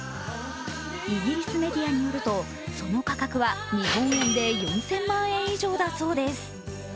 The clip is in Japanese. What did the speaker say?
イギリスメディアによると、その価格は日本円で４０００万円以上だそうです。